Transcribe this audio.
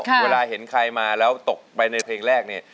เวลาเห็นใครมาแล้วตกไปในเพลงแรกเนี่ย